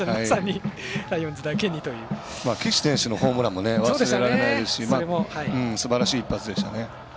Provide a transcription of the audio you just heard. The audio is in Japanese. まさに岸選手のホームランも忘れられないですし、それもすばらしい一発でしたね。